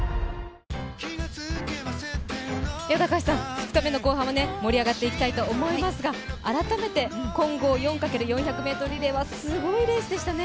２日目の後半も盛り上がっていきたいと思いますが、改めて混合４×４００ｍリレーはすごいレースでしたね。